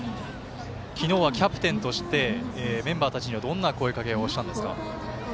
昨日はキャプテンとしてメンバーたちにはどんな声かけをしたんですか？